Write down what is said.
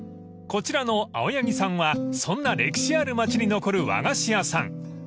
［こちらの青柳さんはそんな歴史ある町に残る和菓子屋さん］